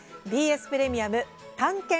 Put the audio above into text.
ＢＳプレミアム「探検！